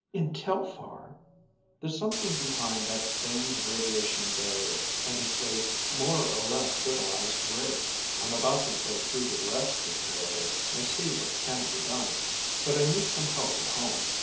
"In Telphar?" "There's something behind that famed radiation barrier, and it's a more or less civilized race. I'm about to break through the rest of the barrier and see what can be done. But I need some help at home.